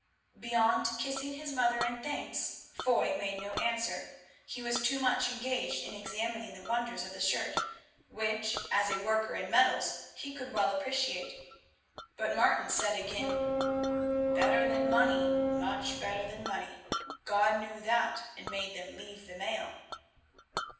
Beyond kissing his mother in thanks, Foy made no answer; he was too much engaged in examining the wonders of the shirt, which as a worker in metals he could well appreciate. But Martin said again: "Better than money, much better than money. God knew that and made them leave the mail."